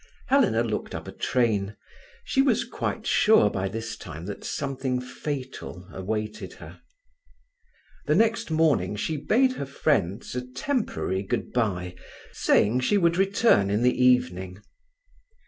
Helena looked up a train. She was quite sure by this time that something fatal awaited her. The next morning she bade her friends a temporary good bye, saying she would return in the evening.